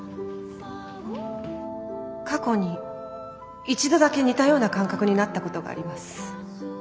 「過去に一度だけ似たような感覚になったことがあります。